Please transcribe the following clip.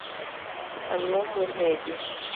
Ango monege.